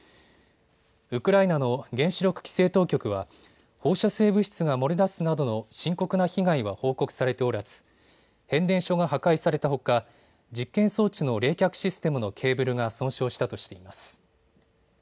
ウクライナの原子力規制当局は放射性物質が漏れ出すなどの深刻な被害は報告されておらず変電所が破壊されたほか実験装置の冷却システムのケーブルが損傷したとしています。